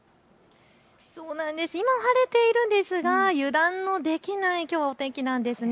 今は晴れているんですが油断のできないお天気なんです。